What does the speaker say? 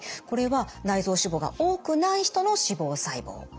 これは内臓脂肪が多くない人の脂肪細胞。